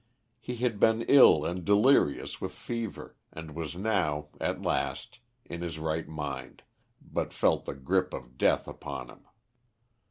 He had been ill and delirious with fever, and was now, at last, in his right mind, but felt the grip of death upon him.